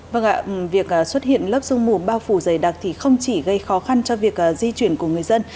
vâng ạ việc xuất hiện lớp sương mù bao phủ dày đặc thì không chỉ gây khó khăn cho việc di chuyển của người dân